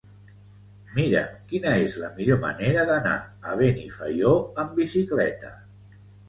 Mira'm quina és la millor manera d'anar a Benifaió amb bicicleta.